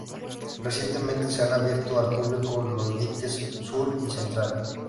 Recientemente se han abierto al público los diques sur y central.